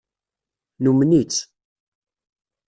Numen-itt.